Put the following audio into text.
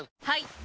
はい！